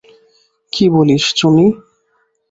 কী বলিস, চুনি।